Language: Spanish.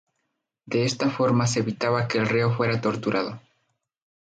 De esta forma se evitaba que el reo fuera torturado.